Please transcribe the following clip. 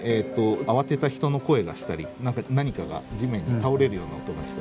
慌てた人の声がしたり何かが地面に倒れるような音がしたと。